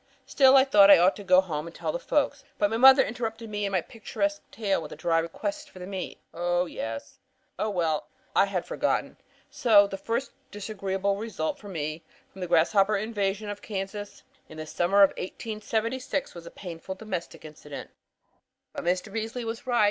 Still I thought I ought to go home and tell the folks. But mother interrupted me in my picturesque tale with a dry request for the meat. Oh, yes. Oh well, I had forgotten. So the first disagreeable result for me from the grasshopper invasion of Kansas in the summer of 1876 was a painful domestic incident. "But Mr. Beasley was right.